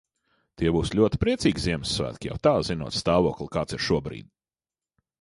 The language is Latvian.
Tie būs ļoti priecīgi Ziemassvētki, jau tā zinot stāvokli, kāds ir šobrīd.